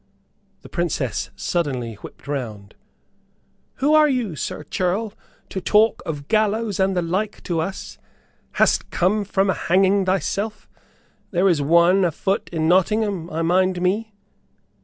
The Princess suddenly whipped round. "Who are you, Sir Churl, to talk of gallows and the like to us? Hast come from a hanging thyself? There is one a foot in Nottingham, I mind me."